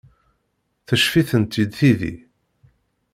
Teccef-itent-id tidi.